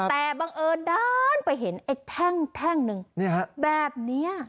แต่บังเอิญด้านไปเห็นไอ้แท่งแท่งหนึ่งแบบนี้